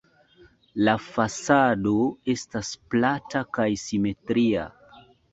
La fasado estas plata kaj simetria.